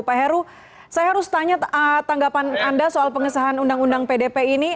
pak heru saya harus tanya tanggapan anda soal pengesahan undang undang pdp ini